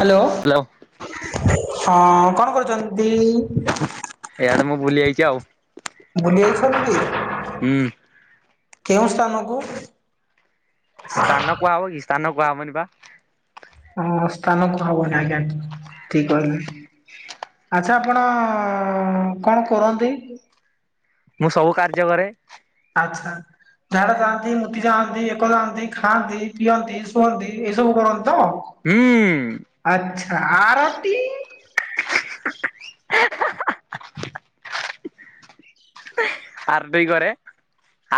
Hello hello ହଁ କଣ କରୁଚନ୍ତି? ଏଇଆଡେ ମୁଁ ବୁଲିଆଇଛି ଆଉ। ବୁଲି ଯାଇଛନ୍ତି ହୁଁ କେଉଁ ସ୍ଥାନକୁ? ସ୍ଥାନ କୁହା ହବକି ସ୍ଥାନ କୁହା ହବନିବା? ହଁ, ସ୍ଥାନ କୁହା ହବନି ଆଜ୍ଞା, ଠିକ୍ କହିଲେ। ଆଚ୍ଛା ଆପଣ-ଅ କଣ କରନ୍ତି? ମୁଁ ସବୁ କାର୍ଯ୍ୟକରେ। ଆଚ୍ଛା। ଝାଡା ଯାଆନ୍ତି, ମୁତି ଯାଆନ୍ତି, ଏକ ଯାଆନ୍ତି, ଖାଆନ୍ତି, ପିଅନ୍ତି, ଶୁଅନ୍ତି, ଏଇସବୁ କରନ୍ତି ତ! ହୁଁ। ହୁଁ। ଆଚ୍ଛା, ଆରଟି? ଆରଟି କରେ,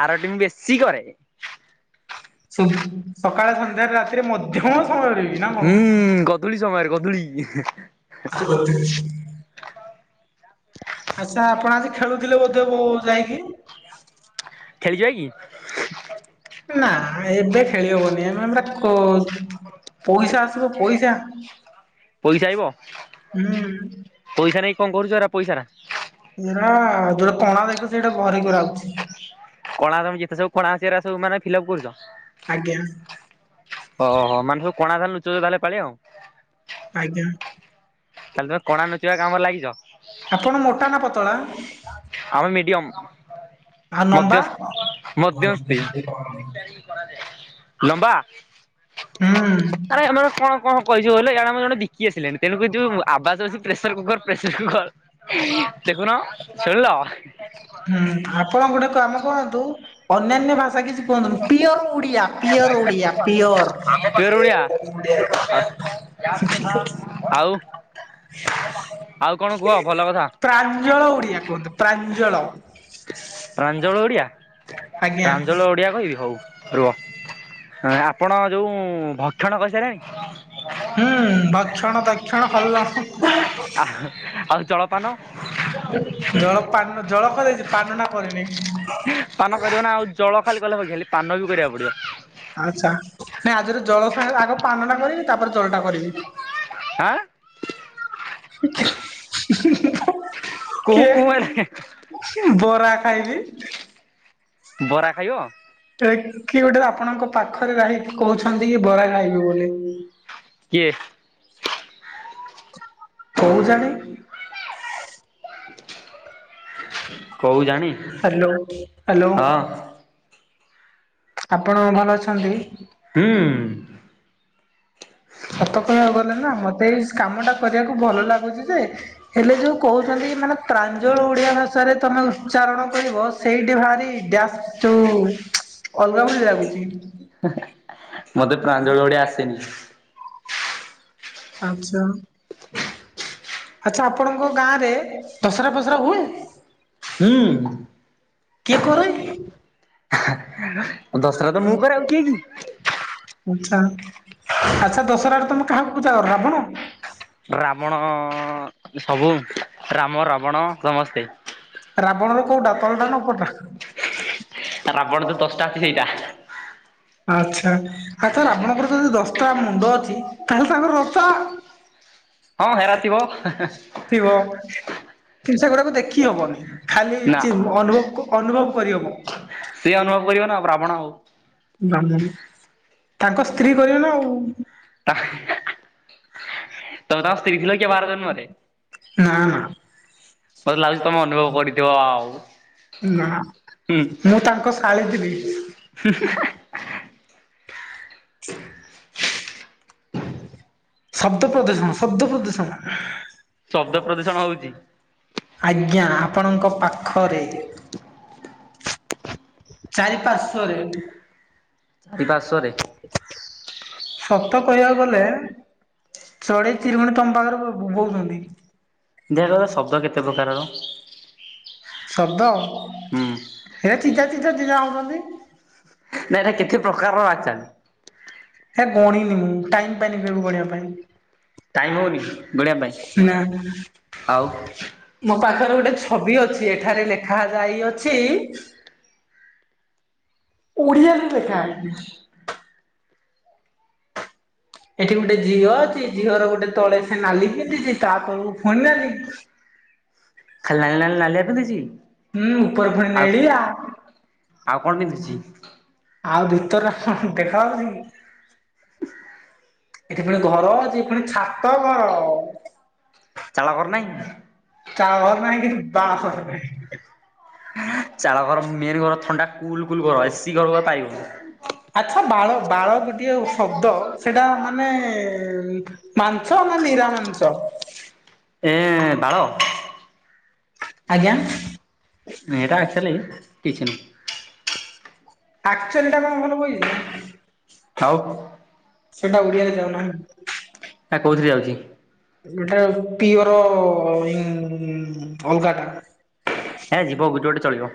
ଆରଟି ମୁଁ ବେଶୀ କରେ। ସୁବ୍ ସକାଳେ ସନ୍ଧ୍ୟାରେ ରାତିରେ ମଧ୍ୟ ସମୟରେ ବି ନା କଣ? ଧୂଳି ସମୟରେ ଗଧୁଳି-ଇ ହିଁ। [inaudible] ଆଚ୍ଛା, ଆପଣ ଆଜି ଖେଳୁଥିଲେ ବୋଧେ ବୋ ଯାଇକି? ଖେଳିଯିବାକି? ନା ଏବେ ଖେଳି ହବନି। ଏମାନେ ଟା କୋଜ୍ ପଇସା ଆସିବ ପଇସା। ପଇସା ଆଇବ? ହୁଁ ପଇସା ନେଇ କଣ କରୁଛ ଏରା ପଇସାରା? ଏଇରା ଯୋଉରା କଣା ଦେଖୁଛି, ସେଇଟା ଭରିକରାହଉଛି। କଣା ତମେ ଯେତେ ସବୁ କଣା ଅଛି, ଏରାସବୁ ମାନେ ଫିଲପ୍ କରୁଛ। ଆଜ୍ଞା। ଓହୋ! ମାନେ ସବୁ କଣା ତାହେଲେ ଲୁଚଉଛ ତା, ହେଲେ ଏପାଳି ଆଉ। ଆଜ୍ଞା। ତା, ହେଲେ ତମେ କଣା ନୁଚେଇବା କାମରେ ଲାଗିଛ। ଆପଣ ମୋଟା ନା ପତଳା? ଆମେ ମିଡିୟମ୍। ଆଉ ନମ୍ବା? ଲମ୍ବା! ହୁଁ। ଆରେ ଆମ କଣ କଣ କହିଛୁ, କହିଲ? ଇଆଡେ ଆମର ଜଣେ ବିକି ଆସିଲେଣି ତେଣୁ କରି ଯୋଉ ଆବାଜ ଅଛି, ପ୍ରେସର୍ କୁକର୍ ପ୍ରେସର୍ କୁକର୍! ଦେଖୁନ ଶୁଣିଲ! ହୁଁ, ଆପଣ ଗୋଟେ କାମ କରନ୍ତୁ, ଅନ୍ୟାନ୍ୟ ଭାଷା କିଛି କୁହନ୍ତୁନି। Pure Odia, pure Odia, pure pure Odia ଆଉ, ଆଉ କଣ କୁହ, ଭଲକଥା? ପ୍ରାଞ୍ଜଳ ଉଡିଆ କୁହନ୍ତୁ ପ୍ରାଞ୍ଜଳ। ପ୍ରାଞ୍ଜଳ ଓଡିଆ, ଆଜ୍ଞା ପ୍ରାଞ୍ଜଳ ଓଡିଆ କହିବି ହଉ। ରୁଅ। ଆପଣ ଯୋଉଁ ଭକ୍ଷଣ କରିସାରିଲେଣି? ହୁଁ, ଭକ୍ଷଣ ତକ୍ଷଣ ହଲ। [inaudible] ଆଃ, ଆଉ ଜଳପାନ? ଜଳ ପାନ୍ ଜଳକ ଦେଇଚ଼ି, ପାନଟା କରିନି। ପାନ କରିବ ନା ଆଉ, ଜଳ ଖାଲି କଲେ ହବକି! ହେଲେ ପାନ ବି କରିଆକୁ ପଡିବ। ଆଚ୍ଛା, ନାଇଁ ଆଜିର ଜଳ ସାଙ୍ଗରେ ଆଗ ପାନଟା କରିବି, ତା'ପରେ ଜଳଟା କରିବି। ଆଁ? [inaudible] କୁହୁଁ କେ କୁହୁଁ ହେଲେ ବରା ଖାଇବି। ବରା ଖାଇବ? ଏ କିଏ ଗୋଟେ ଆପଣଙ୍କ ପାଖରେ ଯାହିକି କହୁଚନ୍ତି ଇଏ ବରା ଖାଇବେ ବୋଲି। କିଏ? କୋଉଚନ୍ତି? କୋଉ ଜାଣି ହ୍ୟାଲୋ ହ୍ୟାଲୋ ଅଃ। ଆପଣ ଭଲ ଅଛନ୍ତି? ହୁଁ। ସତ କହିଆକୁ ଗଲେ ନା ମତେ ଏଇ କାମ ଟା କରିଆକୁ ଭଲ ଲାଗୁଚି ଯେ ହେଲେ ଯୋଉ କହୁଚ଼ନ୍ତି ମାନେ ପ୍ରାଞ୍ଜଳ ଓଡିଆ ଭାଷାରେ ତମେ ଉଚ୍ଚାରଣ କରିବ ସେ ସେଇଟି ଭାରି ଡ୍ୟାସ୍ ଯୋଉ ଅଲଗା ଭଳି ଲାଗୁଚ଼ି। ମତେ ପ୍ରାଞ୍ଜଳ ଓଡିଆ ଆସେନି। ଆଚା। ଆଚ୍ଛା ଆପଣଙ୍କ ଗାଁ ରେ ଦଶମରା ପସରା ହୁଏ? କିଏ କରେ? ହୁଁ ଦଶରା ତ ମୁଁ କରେ ଆଉ କେ ମି। ଆଚ୍ଛା ଆଚ୍ଛା ଦଶଅରାରେ ତମେ କାହାକୁ ପୂଜା କରରାବଣ? ରାବଣ ସବୁ ରାମ, ରାବଣ ସମସ୍ତେ। ରାବଣର କୋଉଟା ତଳଟା ନା ଉପରଟା? ରାବଣ ତ ଦଶଟା ହେଇଟା। ଆଛା ଆତ ରାବଣଙ୍କର ଯଦି ଦଶଟା ମୁଣ୍ଡ ଅଛି ତାହେଲେ ତାଙ୍କର ଦଶତା ହଁ ହେରାଥିବ। ଥିବ। ସେଗୁଡାକୁ ଦେଖି ହବନି ଖାଲି ନା। ଅନୁଭବ ଅନୁଭବ କରିହବ। ସିଏ ଅନୁଭବ କରିବ ନା ବ୍ରାହ୍ମଣ। ବ୍ରାମନ ତାଙ୍କ ସ୍ତ୍ରୀ କରିବେ ନା ଆଉ। ଆଃ [unintelligible] ତମେ ତାଙ୍କ ସ୍ତ୍ରୀ ଥିଲା କି ଆର ଜନ୍ମରେ? ନା ନା ମତେ ଲାଗୁଚ଼ି ତମେ ଅନୁଭବ କରିଥିବ ଆଉ। ନା ମୁଁ ତାଙ୍କ ଶାଳୀ ଥିଲି। ହୁଁ ହୁଁ ହାଃ। [inaudible] ଶବ୍ଦ ପ୍ରଦୂଷଣ ଶବ୍ଦ ପ୍ରଦୂଷଣ। ଶବ୍ଦ ପ୍ରଦୂଷଣ ହଉଚି। ଆଜ୍ଞା ଆପଣଙ୍କ ପାଖରେ ଚାରି ପାର୍ଶ୍ଵରେ ଏଇ ପାର୍ଶ୍ଵରେ ସତ କହିଆକୁ ଗଲେ ଚଢେଇ, ଚିରୁଗୁଣି ତମ ପାଖରେ ବ ଦେଖୁଆ କହିଲ ଶବ୍ଦ କେତେ ପ୍ରକାରର? ଶବ୍ଦ ହୁଁ ଏ ଚି ଚା, ଚି ଚା, ଚି ଚା ହଉଚ଼ନ୍ତି। ନାଇଁ ଏଟା କେତେ ପ୍ରକାରର ଆଚ଼ା? ହେ ଗଣିନି ମୁଁ ଟାଇମ୍ ପାଇଁନିତାକୁ ଗଣିଆ ପାଇଁ। ଟାଇମ ହଉନି ଗଣିଆ ନା। ପାଇଁ ଆଉ। ମୋ ପାଖରେ ଗୋଟେ ଛବି ଅଛି ଏଠାରେ ଲେଖା ଯାଇଅଛି ଓଡିଆରେ ଲେଖା ଆଇଚି। ଏଠି ଗୋଟେ ଝିଅ ଅଛି, ଝିଅର ଗୋଟେ ତଳେ ସେ ନାଲି ପିନ୍ଧିଛି, ତା ତଳକୁ ଫୁଣି ନାଲି ଖାଲି ନାଲି ନାଲି ନାଲିଆ ପିନ୍ଧିଚି ହୁଁ ଉପରେ ପୁଣି ଆଉ। ନେଳିଆ ଆଉ କଣ ପିନ୍ଧିଛି? ଆଉ ଭିତର ହୁଁ ହୁଁ ଦେଖାଯାଉଛି କି? ଏଠି ପୁଣି ଘର ଅଛି ପୁଣି ଛାତ ଘର। ଚାଳ ଘର ନାହିଁ? ଚାଳ ଘର ନାହିଁ କି ବାସଠି ନାହିଁ। ଚାଳ ଘର ମେନ ଘର ଥଣ୍ଡା କୁଲ କୁଲ ଘର ଏସି ଘର ପାଇବୁ। ଆଚ୍ଛା ବାଳ! ବାଳ! ଗୋଟିଏ ଶବ୍ଦ ସେଟା ମାନେ? ମାଂସ ନା ନିରା ମାଂସ? ଏଁ ବାଳ ଆଜ୍ଞା। ଏଟା ଆକଚ୍ୟୁଲି କିଛି ନୁହଁ। ଆକ୍ଚଲିଟା କଣ ଭଲ କହିବି। ଆଉ ସେଟା ଓଡିଆରେ ଆ କୋଉଥିରେ ଯାଉନାହାନ୍ତି। ଯାଉଛି ଏଟା ପିଉରୋ ଇଁ ଭଗାଂଟା। ହେ ଯିବ ଭିଡ଼ିଓଟି ଚଳିବ।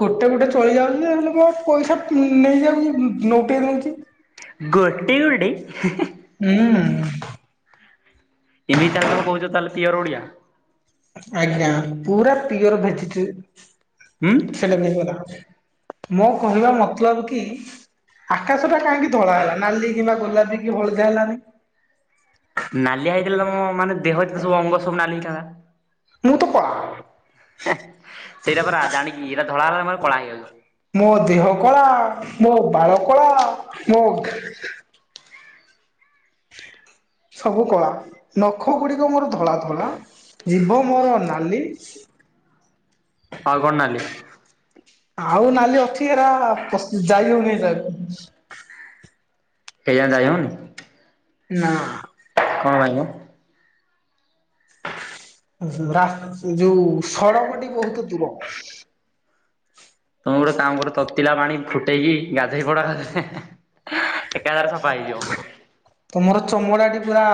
ଗୋଟେ ଗୋଟେ ଚଳି ଯାଉଛି ଯେ ହେଲେ କ ପଇସା ଉଁ ନେଇଯାଉଛି ଉଁ ନୋଉଟେଇ ଦଉଛି। ଗୋଟିଏ ଗୋଟେ ହୁଁ। ଏମିତି ତାହେଲେ ତମ କହୁଛ ତାହେଲେ ପିଓର ଓଡିଆ। ଆଜ୍ଞା ପୁରା ପିଓର ଭେଜିଟ୍ ହୁଁ। ସେଟା ବାହାରି ଗଲା। ମୋ କହିବା ମତଲବ କି? ଆକାଶ ଟା କାହିଁକି ଧଳା ହେଲା ନାଲି କିମ୍ବା ଗୋଲାପୀ କି ହଳଦିଆ ହେଲାନି? ନାଲିଆ ହେଇଥିଲେ ତମ ମାନେ ଦେହ ଯେତ ସବୁ ଅଙ୍ଗ ସବୁ ନାଲି ହେଇଥାନ୍ତା। ମୁଁ ତ କଳା। ସେଇଟା ପରା ଜାଣିକି ଏଇଟା ଧଳା ହେଲା ମୋର କଳା ହେଇଯାଉ। ମୋ ଦେହ କଳା, ମୋ ବାଳ କଳା ମୋ [unintelligible] ସବୁ କଳା, ନଖ ଗୁଡିକ ମୋର ଧଳା ଧଳା ଜିଭ ମୋର ନାଲି। ଆଉ କଣ ନାଲି? ଆଉ ନାଲି ଅଛି ଏରା ପଶି ଯାଇ ହଉନି ଏ ଜାଗା କୁ। କେଜାଣି ଯାଇ ହଉନି ନା। କଣ ଆଣିମୁ? ରା ଯୋଉ ସଡ଼କଟି ବହୁତ ଦୂର। ତମେ ଗୋଟେ କାମ କର ତତିଲା ପାଣି ଫୁଟେଇକି ଗାଧେଇ ପଡ। ଏକା ଥରେ ସଫା ହେଇଯିବ। ତମର ଚମଡ଼ାଟି ପୁରା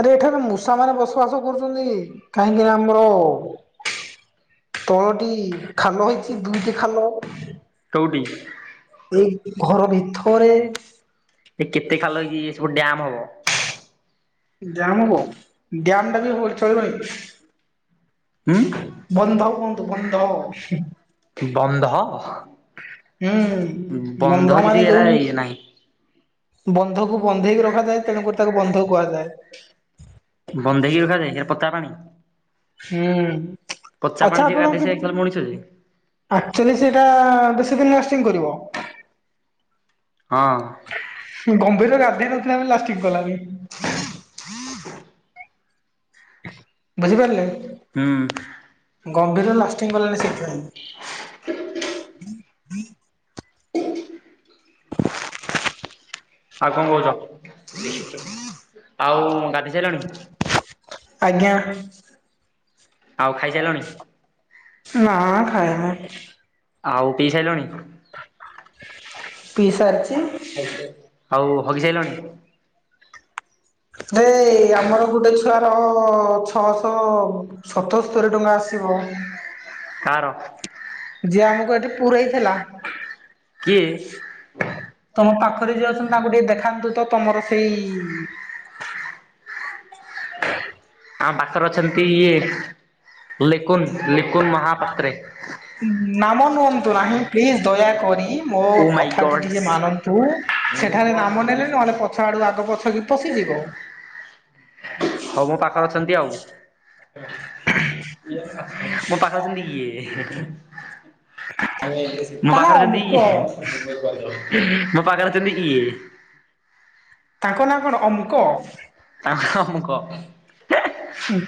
ଆରେ ଏଠାରେ ମୂଷା ମାନେ ବସବାସ କରୁଛନ୍ତି, କାହିଁକି ନା ଆମର ତଳଟି ଖାଲ ହେଇଛି ଦୁଇଟି ଖାଲ। କୋଉଠି? ଏଇ ଘର ଭିତରେ। ସେ କେତେ ଖାଲ ହେଇକି ଏ ସବୁ ଡ୍ୟାମ ହବ। ଡ୍ରାମ ହବ ଡ୍ୟାମ ଟା ବି ହୋ ଚଳିବନି। ହୁଁ ବନ୍ଧ କୁହନ୍ତୁ ବନ୍ଧ। ହୁଁ ବନ୍ଧ ବନ୍ଧ କିଛି ମାନେ ଏରା ଯୋଉ ଇଏ ନାହିଁ। ବନ୍ଧ କୁ ବନ୍ଧେଇକି ରଖାଯାଏ ତେଣୁକରି ତାକୁ ବନ୍ଧ କୁହାଯାଏ। ବନ୍ଧେଇକି ରଖାଯାଏ ସେ ପତା ପାଣି? ହୁଁ ପଚା ଆଚ୍ଛା ପାଣି ଯେ ଆପଣ ଗାଧେ କି ସେ ମଣିଷ ଯେ। ଆକ୍ଚୁଆଲି ସେଇଟା ବେଶୀ ଦିନ ଲାଷ୍ଟିଂ କରିବ। ହଁ। ଗମ୍ଭୀର ଗାଧେଇ ନଥିଲା ବୋଲି ଲାଷ୍ଟିଙ୍ଗ୍ କଲାନି। ବୁଝିପାରିଲେ ହୁଁ ଗମ୍ଭୀର ଲାଷ୍ଟିଙ୍ଗ୍ କଲାନି ସେଇଥିପାଇଁ। [unintelligible] ଆଉ କଣ କହୁଚ ଆଉ ଗାଧେଇ ସାଇଲଣି? ଆଜ୍ଞା। ଆଉ ଖାଇସାଇଲଣି? ନା ଖାଇ ନୁ। ଆଉ ପିଇ ସାଇଲଣି? ପିଇ ସାରିଚି। ଖାଇଚି ଆଉ ହଗି ସାଇଲଣି? ରେ ଆମର ଗୋଟେ ଛୁଆର ଛଅଶଅ ସତସ୍ତରୀ ଟଙ୍କା ଆସିବ। କାର? ଯିଏ ଆମକୁ ଏଠି ପୁରେଇଥେଲା। କିଏ? ତମ ପାଖରେ ଯିଏ ଅଛନ୍ତି ତାଙ୍କୁ ଟିକେ ଦେଖାନ୍ତୁ ତ ତମର ସେଇ ଆମ ପାଖରେ ଅଛନ୍ତି କିଏ? ଲିକୁନ ଲିକୁନ ମହାପାତ୍ରେ। ନାମ ନୁଅନ୍ତୁ ନାହିଁ ପ୍ଲିଜ୍ ଦୟାକରି ମୋ ଓ ମାଇ କଥାଟି ଗଡସ୍। ଟିକେ ମାନନ୍ ତୁ ସେଠାରେ ନାମ ନେଲେ ନହେଲେ ପଛ ଆଡୁ ଆଗ ପଛ କି ପଶିଯିବ। ହଉ ମୋ ପାଖରେ ଅଛନ୍ତି ଆଉ। ମୋ ପାଖରେ ଅଛନ୍ତି ଇଏ ମୋ ତା ନା ପାଖରେ ଅଛନ୍ତି ଅମୁକ ଇଏ ମୋ ପାଖରେ ଅଛନ୍ତି ଇଏ। ତାଙ୍କ ନାଁ କଣ ଅମ୍ କ? ତାଙ୍କ ନାଁ ଅମ୍ କ। ହୁଁ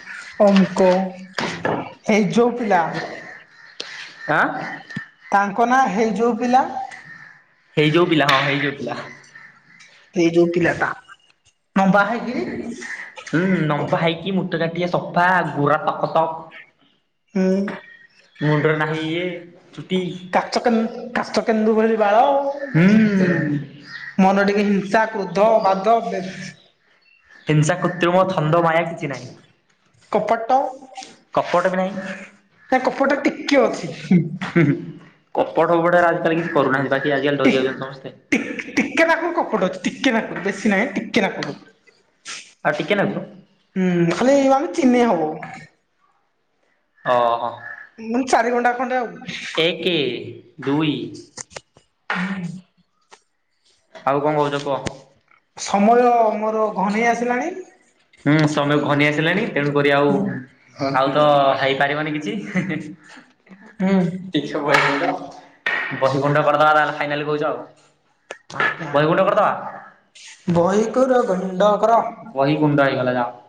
ଅମ୍ ଙ୍କ। ଏଇ ଯୋଉ ପିଲା ଆଁ ତାଙ୍କ ନାଁ ହେଇ ଯଉ ପିଲା। ହେଇଯଉ ପିଲା ହଁ ହେଇଯଉ ପିଲା। କେଇ ଯୋଉ ପିଲା ଟା। ହୁଁ ଲମ୍ବା ହେଇକି ମୁଟ କାଟିିଆ ସଫା ଗୁରା ତକ ତକ୍। ହୁଁ। ମୁଣ୍ଡ ରେ ନାହିଁ ଇଏ ଚୁଟି କାଚ କେ ହୁଁ। କାଚ କେନ୍ଦୁ ଭଳି ବାଳ ମନ ଟିକେ ହିଂସା କ୍ରୋଧ ବାଦ [unintelligible] ହିଂସା କୃତ୍ରିମ ଥନ୍ଦ ମାୟା କିଛି ନାହିଁ। କପଟ କପଟ ନା‌ହିଁ। ହୁଁ ନା କପଟ ଟିକେ ଅଛି ହୁଁ। କପଟ ଫପଟ ହେରା ଆଜିକାଲି କିଛି କରୁନାହାଁନ୍ତି ବାକି ଆଜିକାଲି ଡରି ଯାଉଛନ୍ତି ସମସ୍ତେ। ଟି ଟିକେ ନାକୁ କପଟ ଅଛି ଟିକେ ନାକୁରୁ ବେଶୀ ନାହିଁ ଟିକେ ନାକୁ। ଆଉ ଟିକେ ନାକୁ? ହୁଁ ଖାଲି ଏଇ ଆମେ ଚିହ୍ନି ହବ। ଓହୋ ମାନେ ଚାରି ଘଣ୍ଟା ଖଣ୍ଡେ ଆଉ ଏକେ ଦୁଇ ଆଉ କଣ କହୁଛ କୁଅ? ସମୟ ମୋର ଘନେଇ ଆସିଲାଣି ହୁଁ ସମୟ ଘନୀ ଆସିଲାଣି ତେଣୁ କରି ଆଉ ଆଉ ତ ହେଇପାରିବନି କିଛି ହେ ହେ। [inaudible] ହୁଁ। ଇଛା ହୁଏନି ତ ବସକୁୁଣ୍ଡ କରିଦବା ତାହେଲେ ଫାଇନାଲ କହୁଛ ଆଉ। ବହିଗୁଣ୍ଡ କରିଦବା ବହି କୁର ଗୁଣ୍ଡ କର। ବହି ଗୁଣ୍ଡ ହେଇଗଲା ଯାଅ।